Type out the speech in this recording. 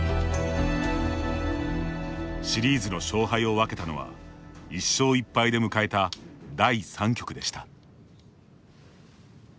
シリーズの勝敗を分けたのは１勝１敗で迎えた第３局でした。